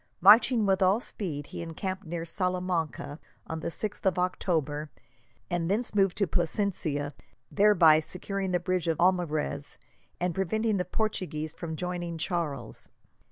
Marching with all speed, he encamped near Salamanca on the 6th of October, and thence moved to Plasencia, thereby securing the bridge of Almarez, and preventing the Portuguese from joining Charles.